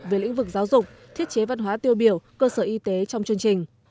về lĩnh vực giáo dục thiết chế văn hóa tiêu biểu cơ sở y tế trong chương trình